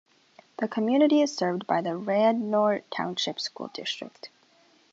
The community is served by the Radnor Township School District.